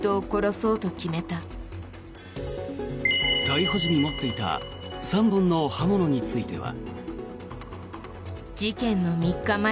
逮捕時に持っていた３本の刃物については。